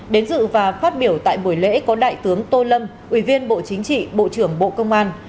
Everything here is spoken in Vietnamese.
đến dự và phát biểu tại buổi lễ có đại tướng tô lâm ủy viên bộ chính trị bộ trưởng bộ công an